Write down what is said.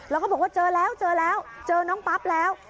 แล้วก็บอกว่าเจอแล้วเจอแล้วเจอน้องปั๊บแล้ว